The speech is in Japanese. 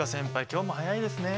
今日も早いですねえ。